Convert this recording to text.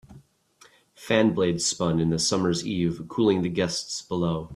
Fan blades spun in the summer's eve, cooling the guests below.